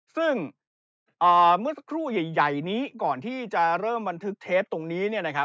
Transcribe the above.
ซึ่งเมื่อสักครู่ใหญ่นี้ก่อนที่จะเริ่มบันทึกเทปตรงนี้